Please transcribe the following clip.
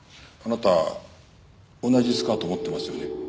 あなた同じスカート持ってますよね？